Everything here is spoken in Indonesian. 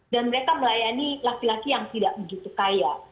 dan mereka melayani laki laki yang tidak begitu kaya